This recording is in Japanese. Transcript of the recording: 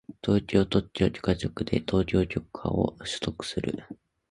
東京特許許可局で特許許可を取得する